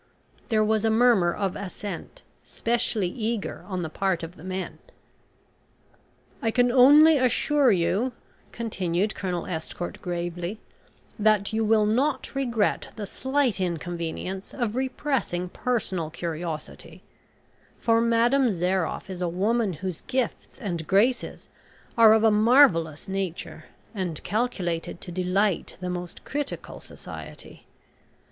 There was a murmur of assent, specially eager on the part of the men. "I can only assure you," continued Colonel Estcourt gravely, "that you will not regret the slight inconvenience of repressing personal curiosity, for Madame Zairoff is a woman whose gifts and graces are of a marvellous nature and calculated to delight the most critical society.